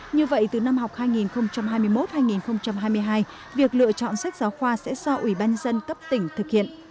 như vậy từ năm học hai nghìn hai mươi một hai nghìn hai mươi hai việc lựa chọn sách giáo khoa sẽ do ủy ban dân cấp tỉnh thực hiện